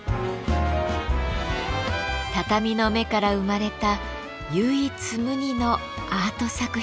畳の目から生まれた唯一無二のアート作品です。